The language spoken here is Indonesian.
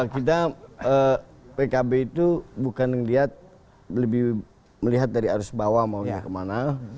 kita pkb itu bukan melihat lebih melihat dari arus bawah maunya kemana